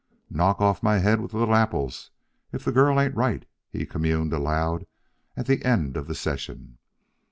"Knock off my head with little apples if the girl ain't right," he communed aloud at the end of the session.